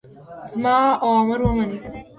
زما اوامر ومنئ.